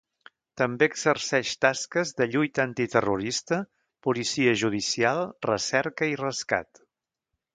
També exerceix tasques de lluita antiterrorista, policia judicial, recerca i rescat.